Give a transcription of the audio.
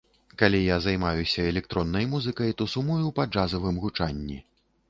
Калі я займаюся электроннай музыкай, то сумую па джазавым гучанні.